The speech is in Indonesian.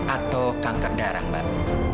atau kanker darah mbak